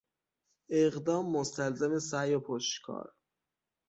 اقدام مستلزم سعی و پشتکار